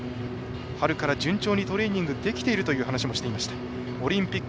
春から順調にトレーニングできているということもありました。